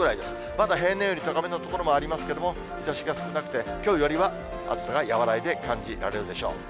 まだ平年より高めの所もありますけれども、日ざしが少なくて、きょうよりは暑さが和らいで感じられるでしょう。